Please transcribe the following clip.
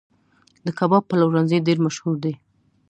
د کباب پلورنځي ډیر مشهور دي